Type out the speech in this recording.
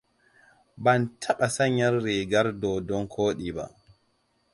Ban taɓa sanya rigar dodon koɗi ba.